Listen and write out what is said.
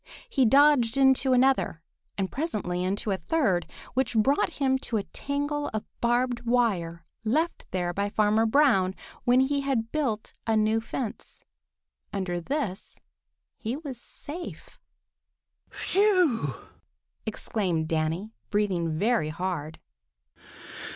He dodged into another and presently into a third, which brought him to a tangle of barbed wire left there by Farmer Brown when he had built a new fence. Under this he was safe. "Phew!" exclaimed Danny, breathing very hard.